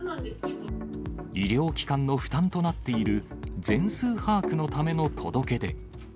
医療機関の負担となっている、全数把握のための届け出。